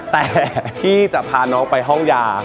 แต่ที่จะพาน้องไปห้องยา